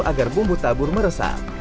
agar bumbu tabur meresap